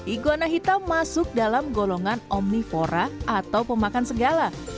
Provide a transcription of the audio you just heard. iguana hitam masuk dalam golongan omnivora atau pemakan segala